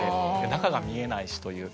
中が見えないしという。